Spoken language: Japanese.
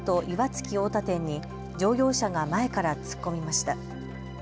岩槻太田店に乗用車が前から突っ込みました。